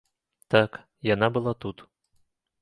Так, яна была тут.